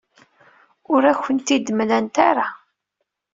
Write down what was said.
Ur akent-t-id-mlant ara.